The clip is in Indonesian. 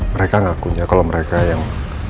mereka ngakunya kalau mereka yang